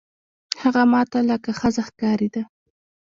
هغه ما ته لکه ښځه ښکارېده.